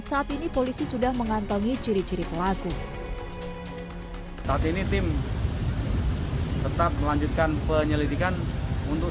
saat ini polisi sudah mengantongi ciri ciri pelaku saat ini tim tetap melanjutkan penyelidikan untuk